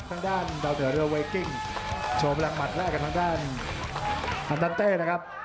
ทางด้านดาวเต๋อเรือเวกิ้งโชว์พลังหมัดแรกกับทางด้านอันดันเต้นะครับ